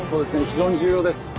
非常に重要です。